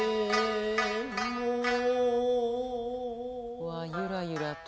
うわゆらゆらと。